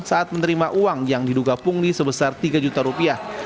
saat menerima uang yang diduga pungli sebesar tiga juta rupiah